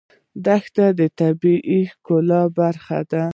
دښتې د طبیعت د ښکلا برخه ده.